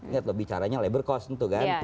lihat loh bicaranya labor cost itu kan